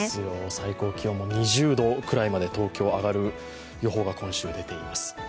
最高気温も２０度くらいまで東京は上がる予報が今週出ています。